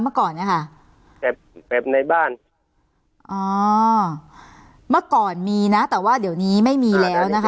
เมื่อก่อนเนี้ยค่ะแบบในบ้านอ๋อเมื่อก่อนมีนะแต่ว่าเดี๋ยวนี้ไม่มีแล้วนะคะ